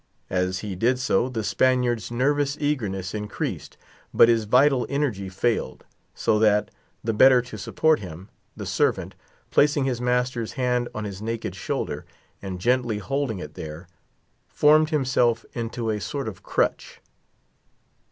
As he did so, the Spaniard's nervous eagerness increased, but his vital energy failed; so that, the better to support him, the servant, placing his master's hand on his naked shoulder, and gently holding it there, formed himself into a sort of crutch.